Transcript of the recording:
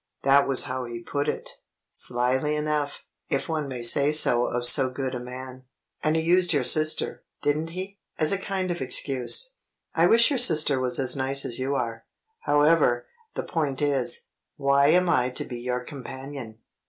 That was how he put it. Slyly enough, if one may say so of so good a man. And he used your sister (didn't he?) as a kind of excuse. I wish your sister was as nice as you are. However, the point is, why am I to be your companion?